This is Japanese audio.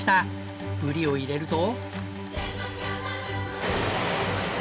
ブリを入れると。